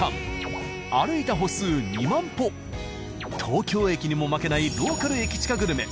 東京駅にも負けないローカルエキチカグルメ。